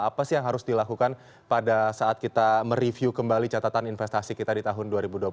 apa sih yang harus dilakukan pada saat kita mereview kembali catatan investasi kita di tahun dua ribu dua puluh satu